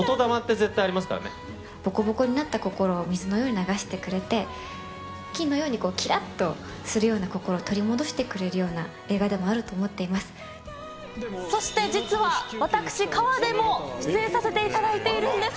ぼこぼこになった心を水のように流してくれて、金のようにきらっとするような心を取り戻してくれるような映画でそして実は、私、河出も出演させていただいているんです。